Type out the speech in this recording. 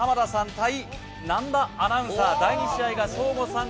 対南波アナウンサー、第２試合がショーゴさん